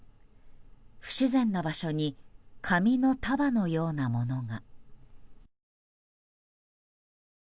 不自然な場所に紙の束のようなものが。